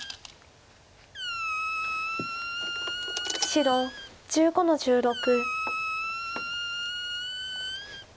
白１５の十六。